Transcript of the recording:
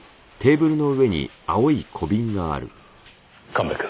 神戸君。